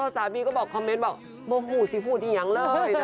สามีก็บอกคอมเมนต์บอกเบาหูซิพูดยังเลยนะคะ